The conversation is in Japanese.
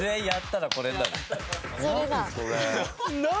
何？